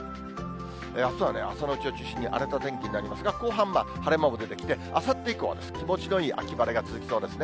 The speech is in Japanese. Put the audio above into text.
あすは朝のうちを中心に荒れた天気になりますが、後半、はれまもでてきてあさって以降は気持ちのいい秋晴れが続きそうですね。